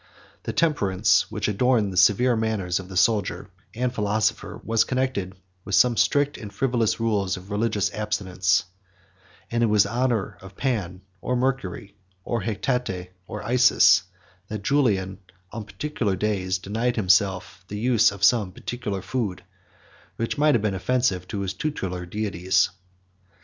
The temperance which adorned the severe manners of the soldier and the philosopher was connected with some strict and frivolous rules of religious abstinence; and it was in honor of Pan or Mercury, of Hecate or Isis, that Julian, on particular days, denied himself the use of some particular food, which might have been offensive to his tutelar deities.